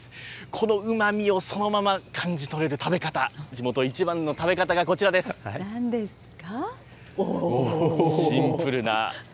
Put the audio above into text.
このうまみをそのまま感じ取れる食べ方、地元一番の食べ方がこちなんですか？